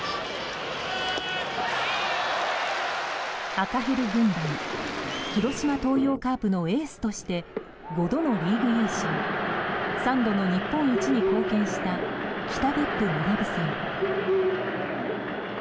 赤ヘル軍団・広島東洋カープのエースとして５度のリーグ優勝３度の日本一に貢献した北別府学さん。